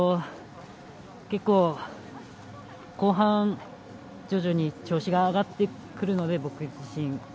結構、後半徐々に調子が上がってくるので僕自身。